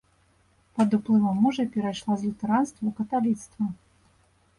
Пад уплывам мужа перайшла з лютэранства ў каталіцтва.